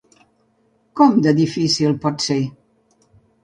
Com de difícil pot ser?